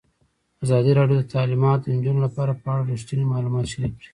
ازادي راډیو د تعلیمات د نجونو لپاره په اړه رښتیني معلومات شریک کړي.